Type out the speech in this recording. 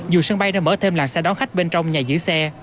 dù sân bay đã mở thêm làn xe đón khách bên trong nhà giữ xe